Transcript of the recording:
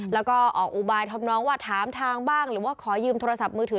แล้วก็ออกอุบายทำน้องว่าถามทางบ้างหรือว่าขอยืมโทรศัพท์มือถือ